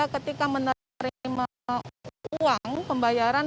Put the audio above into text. ketika menerima uang pembayaran